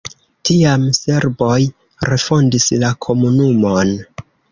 Tiam serboj refondis la komunumon.